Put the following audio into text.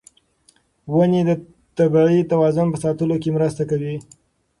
ونې د طبیعي توازن په ساتلو کې مرسته کوي.